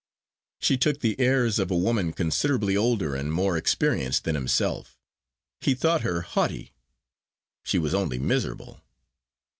She took the airs of a woman considerably older and more experienced than himself. He thought her haughty; she was only miserable.